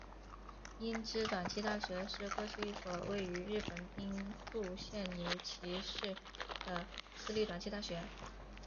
英知短期大学是过去一所位于日本兵库县尼崎市的私立短期大学。